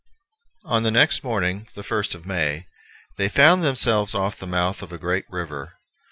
On the next morning, the first of May, they found themselves off the mouth of a great river.